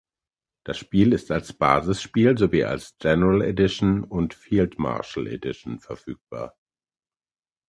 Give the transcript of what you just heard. Das Spiel ist als Basisspiel sowie als "General Edition" und "Field Marshal Edition" verfügbar.